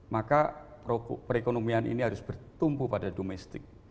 maka perekonomian ini harus bertumpu pada domestik